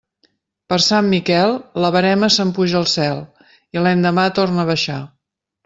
Per Sant Miquel, la verema se'n puja al cel, i l'endemà torna a baixar.